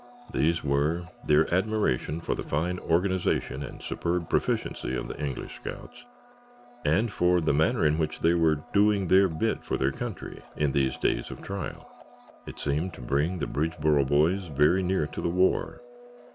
These were their admiration for the fine organization and superb proficiency of the English scouts, and for the manner in which they were "doing their bit" for their country in these days of trial. It seemed to bring the Bridgeboro boys very near to the war.